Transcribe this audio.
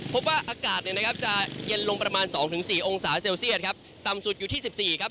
พบว่าอากาศเนี่ยนะครับจะเย็นลงประมาณ๒๔องศาเซลเซียตครับต่ำสุดอยู่ที่๑๔ครับ